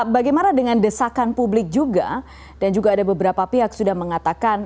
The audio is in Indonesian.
bagaimana dengan desakan publik juga dan juga ada beberapa pihak sudah mengatakan